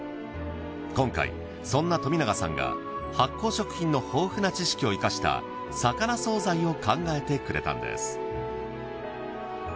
今回そんな富永さんが発酵食品の豊富な知識を活かした魚惣菜を考えてくれたんです。